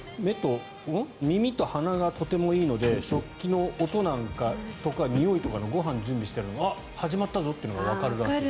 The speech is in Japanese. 耳と鼻がとてもいいので食器の音なんかとかにおいとかのご飯を準備しているのあっ、始まったぞというのがわかるらしいです。